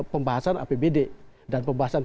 pembahasan apbd dan pembahasan